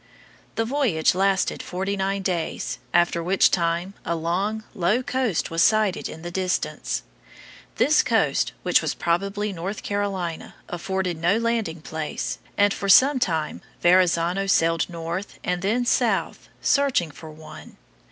The voyage lasted forty nine days, after which time a long, low coast was sighted in the distance. This coast, which was probably North Carolina, afforded no landing place, and for some time Verrazzano sailed north and then south, searching for one.